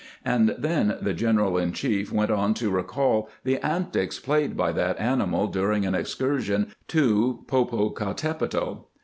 And then the general in chief went on to recall the antics played by that animal during an ex cursion to Popocatepetl.